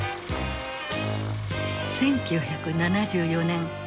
１９７４年。